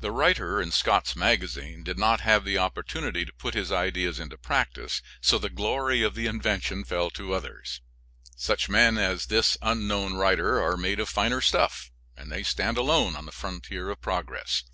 The writer in Scott's Magazine did not have the opportunity to put his ideas into practice, so the glory of the invention fell to others. Such men as this unknown writer are made of finer stuff, and they stand alone on the frontier of progress.